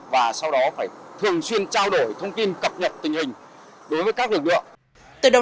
và sau đó phải thường xuyên trao đổi thông tin cập nhật tình hình đối với các lực lượng